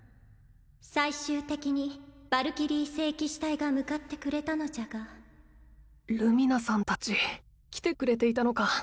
最終的にヴァルキリー聖騎士隊が向かってくれたのじゃがルミナさん達来てくれていたのか